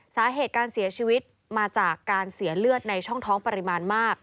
สาเหตุการเสียชีวิตมาจากการเสียเลือดในช่องท้องปริมาณมาก